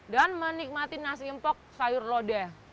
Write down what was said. dan menikmati nasi empok sayur lodeh